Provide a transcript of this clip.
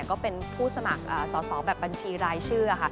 ก็เป็นผู้สมัครสอบแบบบัญชีรายชื่อ